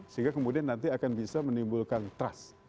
sehingga kemudian nanti akan bisa menimbulkan trust